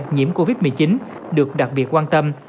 nhiễm covid một mươi chín được đặc biệt quan tâm